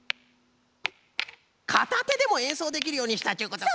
かたてでもえんそうできるようにしたっちゅうことか！